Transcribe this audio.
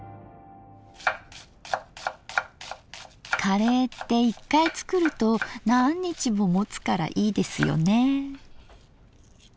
カレーって１回作ると何日ももつからいいですよね。